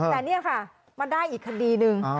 แต่นี่ค่ะเบลออีกคดีหนึ่ง